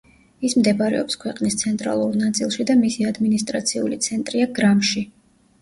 ის მდებარეობს ქვეყნის ცენტრალურ ნაწილში და მისი ადმინისტრაციული ცენტრია გრამში.